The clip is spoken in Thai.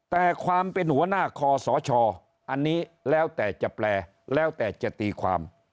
แต่ความเป็นหัวหน้าคอสชอันนี้แล้วแต่จะแปลแล้วแต่จะตีความ